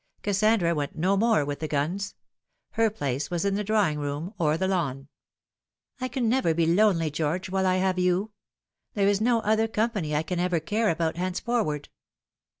Kassandra went no more with the guns. Her place was the drawing room or the lawn. " I can never be lonely, George, while I have you. There is no other company I can ever care about henceforward."